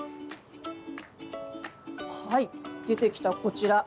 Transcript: はい、出てきた、こちら。